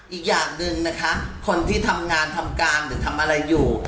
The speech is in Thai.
อีกอย่างหนึ่งนะคะคนที่ทำงานทำการหรือทำอะไรอยู่